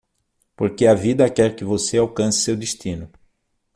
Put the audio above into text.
Porque a vida quer que você alcance seu destino.